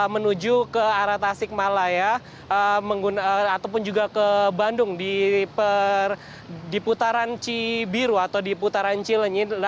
menuju ke arah tasik malaya ataupun juga ke bandung di putaran cibiru atau di putaran cilenyi